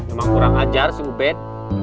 emang kurang ajar si ubed